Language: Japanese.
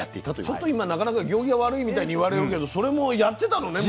ちょっと今なかなか行儀が悪いみたいに言われるけどそれもやってたのね。